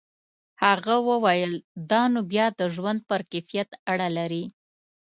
هغه وویل دا نو بیا د ژوند پر کیفیت اړه لري.